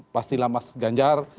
pastilah mas ganjar